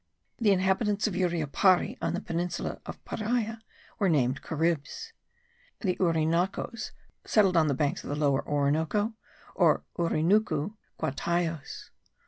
The inhabitants of Uriapari (on the peninsula of Paria) were named Caribs; the Urinacos (settled on the banks of the Lower Orinoco, or Urinucu), Guatiaos.